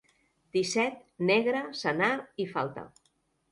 Disset, negre, senar i falta.